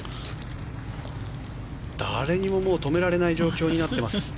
誰にも止められない状況になっています。